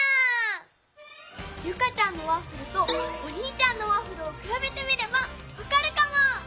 ユカちゃんのワッフルとおにいちゃんのワッフルをくらべてみればわかるかも！